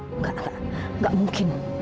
enggak enggak enggak mungkin